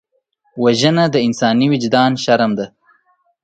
وژنه د انساني وجدان شرم ده